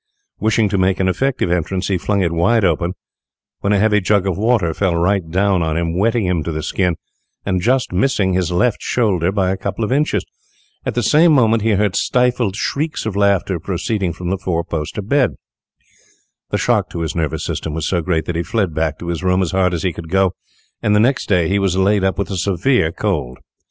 Wishing to make an effective entrance, he flung it wide open, when a heavy jug of water fell right down on him, wetting him to the skin, and just missing his left shoulder by a couple of inches. At the same moment he heard stifled shrieks of laughter proceeding from the four post bed. The shock to his nervous system was so great that he fled back to his room as hard as he could go, and the next day he was laid up with a severe cold.